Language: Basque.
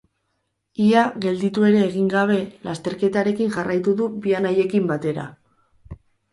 Ia gelditu ere egin gabe, lasterketarekin jarraitu du bi anaiekin batera.